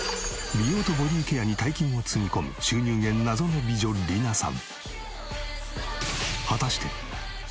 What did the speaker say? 美容とボディーケアに大金をつぎ込む収入源謎の美女リナさん。